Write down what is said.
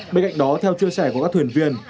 bên cạnh đó theo chia sẻ của các thuyền viên